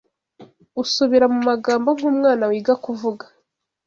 Usubira mu magambo nk’umwana wiga kuvuga